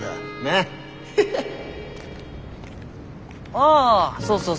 ああそうそう